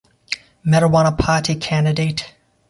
Marijuana Party candidate.